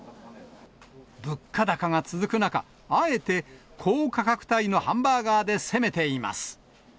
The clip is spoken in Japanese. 物価高が続く中、あえて高価格帯のハンバーガーで攻めています。